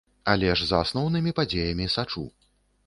Але ж за асноўнымі падзеямі сачу.